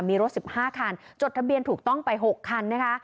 มีรถ๑๕คันจดทะเบียนถูกต้องไป๖คันนะคะ